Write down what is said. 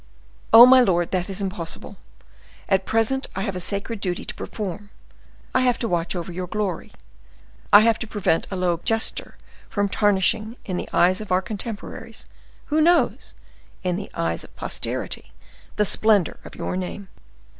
"Oh! my lord, that is impossible. At present I have a sacred duty to perform; I have to watch over your glory, I have to prevent a low jester from tarnishing in the eyes of our contemporaries—who knows? in the eyes of posterity—the splendor of your name."